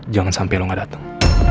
jangan sampe lo gak dateng